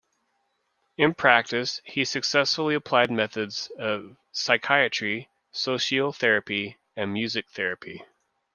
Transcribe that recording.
In practice, he successfully applied methods of psychiatry, socio-therapy and music therapy.